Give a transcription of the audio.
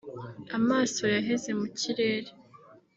amaso yaheze mu kirere